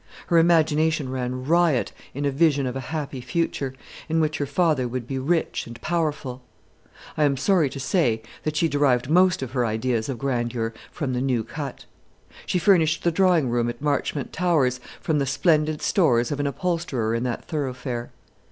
Her imagination ran riot in a vision of a happy future, in which her father would be rich and powerful. I am sorry to say that she derived most of her ideas of grandeur from the New Cut. She furnished the drawing room at Marchmont Towers from the splendid stores of an upholsterer in that thoroughfare.